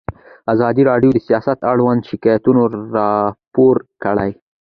ازادي راډیو د سیاست اړوند شکایتونه راپور کړي.